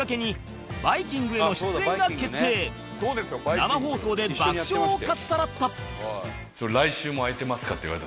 生放送で爆笑をかっさらった